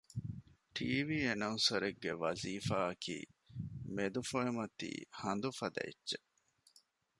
ޓީވީ އެނައުންސަރެއްގެ ވަޒީފާއަކީ މެދުފޮއިމަތީ ހަނދު ފަދަ އެއްޗެއް